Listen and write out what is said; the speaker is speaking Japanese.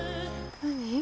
何？